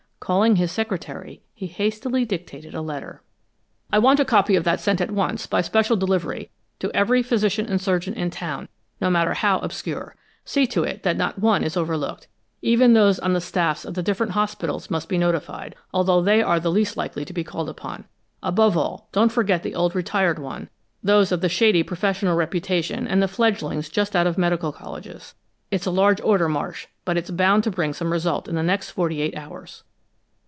Calling his secretary, he hastily dictated a letter. "I want a copy of that sent at once, by special delivery, to every physician and surgeon in town, no matter how obscure. See to it that not one is overlooked. Even those on the staffs of the different hospitals must be notified, although they are the least likely to be called upon. Above all, don't forget the old retired one, those of shady professional reputation and the fledglings just out of medical colleges. It's a large order, Marsh, but it's bound to bring some result in the next forty eight hours."